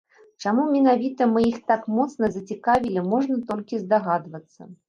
Чаму менавіта мы іх так моцна зацікавілі можна толькі здагадвацца.